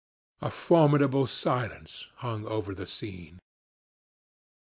A formidable silence hung over the scene.